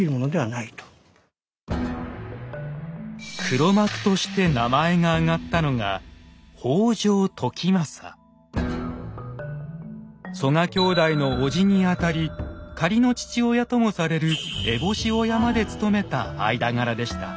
黒幕として名前が挙がったのが曽我兄弟のおじにあたり仮の父親ともされる烏帽子親まで務めた間柄でした。